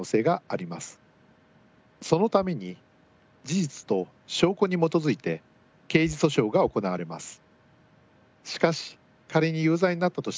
そのために事実と証拠に基づいて刑事訴訟が行われます。